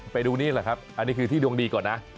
ไปดูนี่แหละครับอันนี้คือที่ดวงดีก่อนนะ